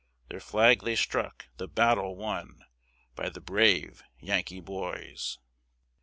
Their flag they struck, the battle won, By the brave Yankee boys.